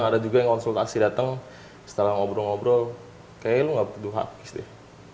ada juga yang konsultasi datang setelah ngobrol ngobrol kayaknya lo nggak butuh hardcase deh